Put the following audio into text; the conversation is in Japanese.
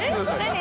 何？